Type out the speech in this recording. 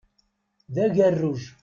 D agerruj.